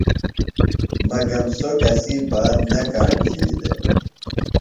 مگم سوۡ کسی بات نہ کاݨ نہ تھی دےۡ۔